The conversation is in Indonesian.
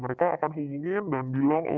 mereka akan hubungin dan bilang